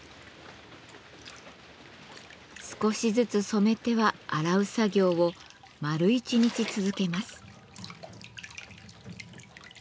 少しずつ染めては洗う作業を丸一日続けます。